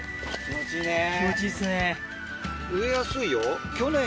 気持ちいいね。